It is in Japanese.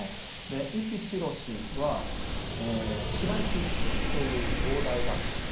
「息白し」は「白息」という傍題があります。